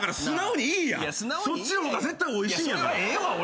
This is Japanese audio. そっちの方が絶対おいしいんやから。